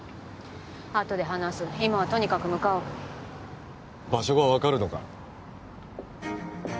あとで話す今はとにかく向かおう場所が分かるのか？